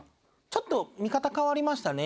ちょっと見方変わりましたね。